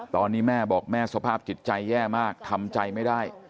ตอนนี้แม่บอกแม่สภาพจิตใจแย่มากทำใจไม่ได้